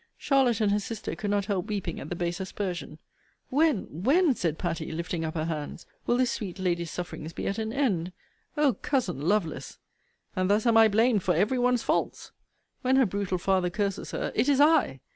Charlotte and her sister could not help weeping at the base aspersion: When, when, said Patty, lifting up her hands, will this sweet lady's sufferings be at an end? O cousin Lovelace! And thus am I blamed for every one's faults! When her brutal father curses her, it is I.